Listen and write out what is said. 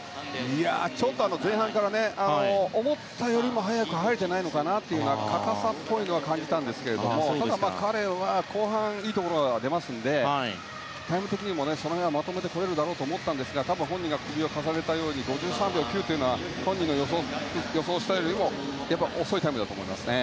ちょっと前半から思ったよりも早く入れていないという硬さは感じてただ、彼は後半にいいところが出ますのでタイム的にもその辺はまとめてこれるだろうと思うんですが、本人が首を傾げたように５３秒９は本人の予想よりやっぱり遅いタイムだっと思いますね。